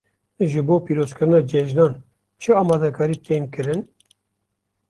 Ji bo pîrozkirina cejnan çi amadekarî tên kirin?